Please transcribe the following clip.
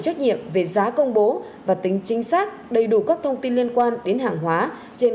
trách nhiệm về giá công bố và tính chính xác đầy đủ các thông tin liên quan đến hàng hóa trên